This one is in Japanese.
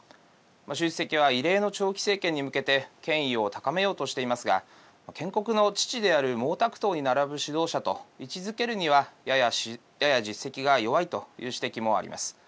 習主席は異例の長期政権に向けて権威を高めようとしていますが建国の父である毛沢東に並ぶ指導者と位置づけるにはやや実績が弱いという指摘もあります。